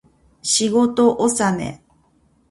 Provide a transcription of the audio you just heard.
仕事納め